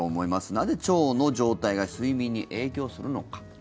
なぜ、腸の状態が睡眠に影響するのか。